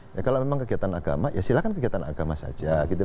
ya kalau memang kegiatan agama ya silahkan kegiatan agama saja gitu